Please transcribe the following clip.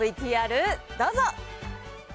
ＶＴＲどうぞ。